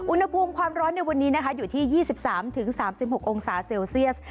อุณหภูมิความร้อนในวันนี้นะคะอยู่ที่๒๓๓๖องศาเซลเซียส